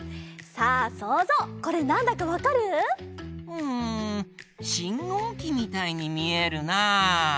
うんしんごうきみたいにみえるな。